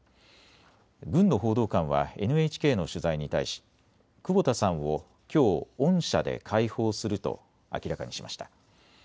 軍の報道官はＮＨＫの取材に対し久保田さんをきょう恩赦で解放すると明らかにしました。